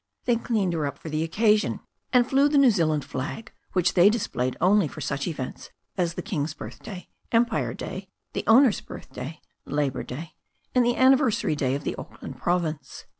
They cleaned her up for the occasion, and flew the New Zealand flag, which they displayed only for such events as the King's birthday, Empire Day, the owner's birthday, Labour Day, and the anniversary day of the Auckland Province.